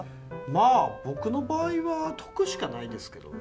まあ僕の場合は得しかないですけどね。